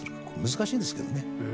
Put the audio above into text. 難しいですけどね。